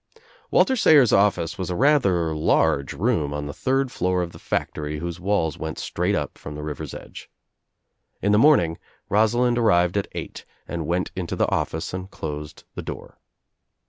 Walter Sayers' office was a rather large room on the third floor of the factory whose walls went straight up from the river's edge. In the morning Rosalind ar rived at eight and went into the office and closed the door.